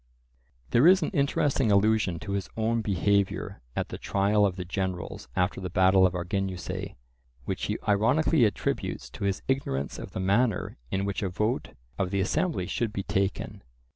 There is an interesting allusion to his own behaviour at the trial of the generals after the battle of Arginusae, which he ironically attributes to his ignorance of the manner in which a vote of the assembly should be taken.